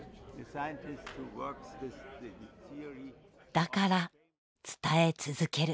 だから伝え続ける。